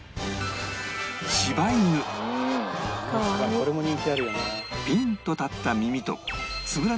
これも人気あるよな。